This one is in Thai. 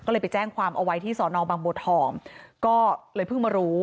ก็เลยไปแจ้งความเอาไว้ที่สบธก็เลยเพิ่งมารู้